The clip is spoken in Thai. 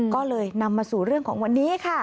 ก็เลยนำมาสู่เรื่องของวันนี้ค่ะ